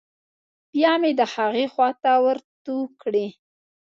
بيا مې د هغې خوا ته ورتو کړې.